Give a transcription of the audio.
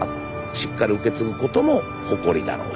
しっかり受け継ぐことも誇りだろうし